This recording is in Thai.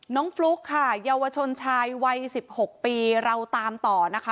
ฟลุ๊กค่ะเยาวชนชายวัย๑๖ปีเราตามต่อนะคะ